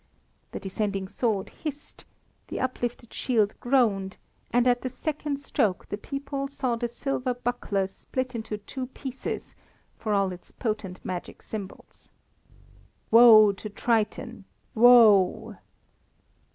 The descending sword hissed, the uplifted shield groaned, and at the second stroke the people saw the silver buckler split into two pieces for all its potent magic symbols. "Woe to Triton, woe!"